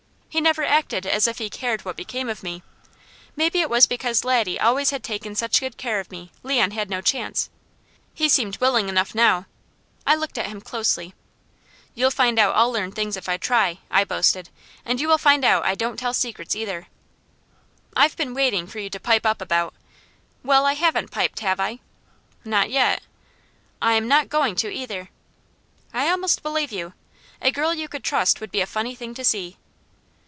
He never acted as if he cared what became of me. Maybe it was because Laddie always had taken such good care of me, Leon had no chance. He seemed willing enough now. I looked at him closely. "You'll find out I'll learn things if I try," I boasted. "And you will find out I don't tell secrets either." "I've been waiting for you to pipe up about " "Well, I haven't piped, have I?" "Not yet." "I am not going to either." "I almost believe you. A girl you could trust would be a funny thing to see."